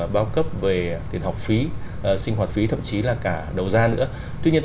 bao cấp học phí nó chỉ là một